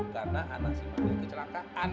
karena anak si malik kecelakaan